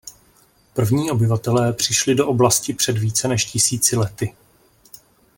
První obyvatelé přišli do oblasti před více než tisíci lety.